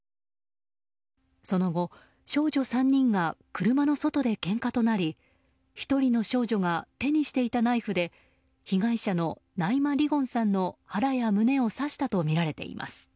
その後、少女３人が車の外でけんかとなり１人の少女が手にしていたナイフで被害者のナイマ・リゴンさんの腹や胸を刺したとみられています。